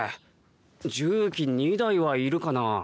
重機２台はいるかな？